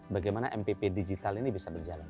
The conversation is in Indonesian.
bagaimana mpp digital ini bisa berjalan